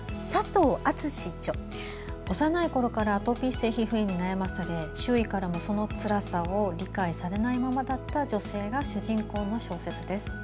幼いころからアトピー性皮膚炎に悩まされ周囲からも、そのつらさを理解されないままだった女性が主人公の小説です。